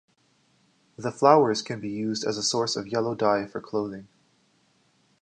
The flowers can be used as a source of yellow dye for clothing.